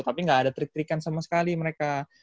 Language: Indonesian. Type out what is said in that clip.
tapi gak ada trik trikan sama sekali mereka